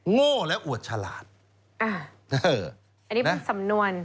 โง่และอวดฉลาดอันนี้มันสำนวน